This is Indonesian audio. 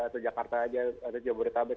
atau jakarta saja ada jabodetabek